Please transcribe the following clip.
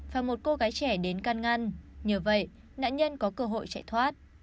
và một cô gái trẻ đến can ngăn nhờ vậy nạn nhân có cơ hội chạy thoát